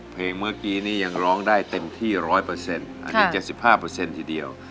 เพลงเมื่อกี้นี่ยังร้องได้เต็มที่๑๐๐อันนี้๗๕ทีเดียว